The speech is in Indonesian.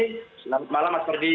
selamat malam mas ferdi